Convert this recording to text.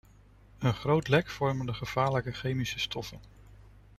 Een groot lek vormen de gevaarlijke chemische stoffen.